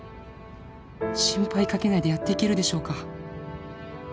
「心配かけないでやっていけるでしょうか？」